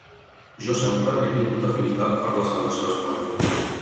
Jo sempre he tingut afinitat per la selecció espanyola.